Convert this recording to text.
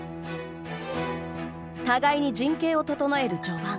互いに陣形を整える序盤。